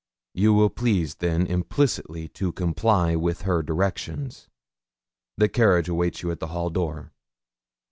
You will please, then, implicitly to comply with her directions. The carriage awaits you at the hall door.'